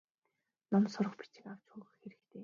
Ном сурах бичиг авч өгөх хэрэгтэй.